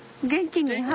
元気に。